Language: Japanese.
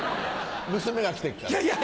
娘が来てっから。